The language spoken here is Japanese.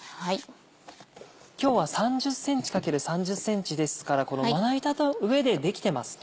今日は３０ｃｍ×３０ｃｍですからまな板の上でできてますね。